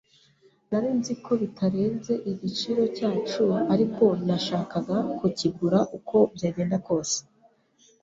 Nari nzi ko bitarenze igiciro cyacu, ariko nashakaga kukigura uko byagenda kose.